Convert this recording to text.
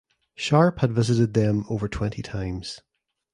Sharp had visited them over twenty times.